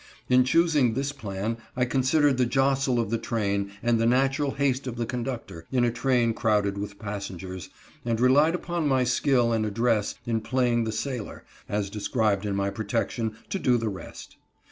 In choosing this plan I considered the jostle of the train, and the natural haste of the conductor, in a train crowded with passengers, and relied upon my skill and address in playing the sailor, as described in my protection, to do the rest.